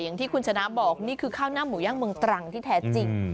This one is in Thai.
อย่างที่คุณชนะบอกนี่คือข้าวหน้าหมูย่างเมืองตรังที่แท้จริง